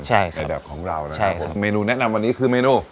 ใช่ครับในแบบของเรานะครับใช่ครับเมนูแนะนำวันนี้คือเมนู